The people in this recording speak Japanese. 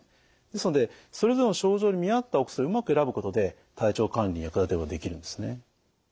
ですのでそれぞれの症状に見合ったお薬をうまく選ぶことで体調管理に役立てることができるんですね。